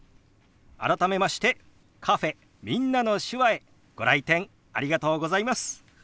改めましてカフェ「みんなの手話」へご来店ありがとうございます。